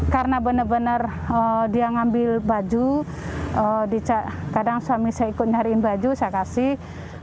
karena benar benar dia ngambil baju kadang suami saya ikut nyariin baju saya kasih